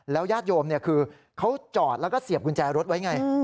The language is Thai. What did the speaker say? ญาติโยมคือเขาจอดแล้วก็เสียบกุญแจรถไว้ไง